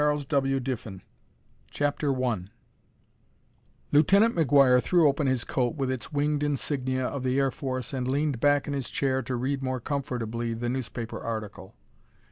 ] CHAPTER I Lieutenant McGuire threw open his coat with its winged insignia of the air force and leaned back in his chair to read more comfortably the newspaper article.